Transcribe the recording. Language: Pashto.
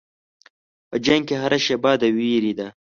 په جنګ کې هره شېبه د وېرې ده.